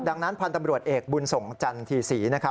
ดังนั้นพันธ์ตำรวจเอกบุญส่งจันทีศรีนะครับ